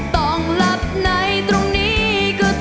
ต้องรับไหนตรงนี้